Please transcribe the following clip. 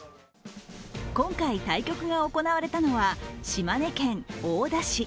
今回対局が行われたのは島根県大田市。